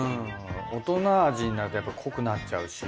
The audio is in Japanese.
大人味になるとやっぱり濃くなっちゃうし。